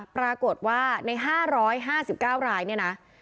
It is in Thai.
ปรากฏว่าใน๕๕๙รายเนี่ยนะ